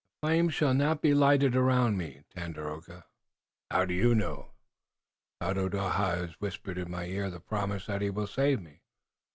"The flames shall not be lighted around me, Tandakora." "How do you know?" "Tododaho has whispered in my ear the promise that he will save me.